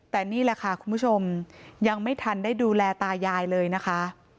แต่นี่แหละค่ะคุณผู้ชมยังไม่ทันได้ดูแลตายายเลยนะคะ